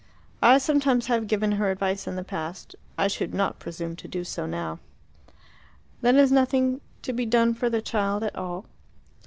"I sometimes have given her advice in the past. I should not presume to do so now." "Then is nothing to be done for the child at all?"